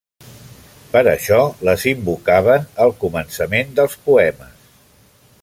Per això les invocaven al començament dels poemes.